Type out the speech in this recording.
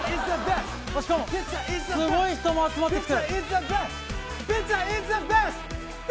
しかもすごい人も集まってきて。